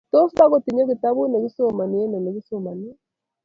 tos tokotinye kitabut ne kosome eng ole kisomanee